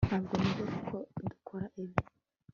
ntabwo nizera ko dukora ibi